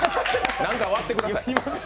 なんか割ってください。